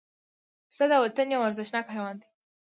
پسه د وطن یو ارزښتناک حیوان دی.